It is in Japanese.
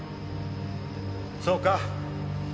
そうか。